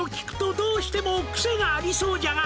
「どうしてもクセがありそうじゃが」